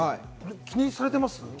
気にされてます？